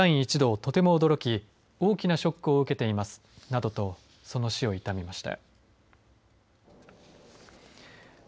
とても驚き大きなショックを受けていますなどとその死を悼みました。